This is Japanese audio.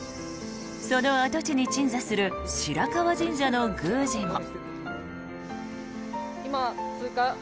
その跡地に鎮座する白河神社の宮司も。